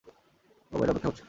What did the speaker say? ও বাইরে অপেক্ষা করছে।